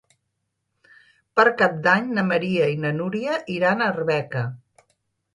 Per Cap d'Any na Maria i na Núria iran a Arbeca.